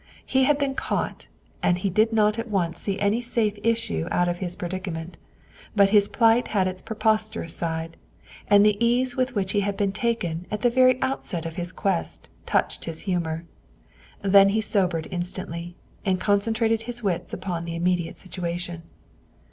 He had been caught and he did not at once see any safe issue out of his predicament; but his plight had its preposterous side and the ease with which he had been taken at the very outset of his quest touched his humor. Then he sobered instantly and concentrated his wits upon the immediate situation.